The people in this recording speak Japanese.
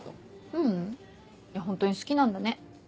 ううんホントに好きなんだね。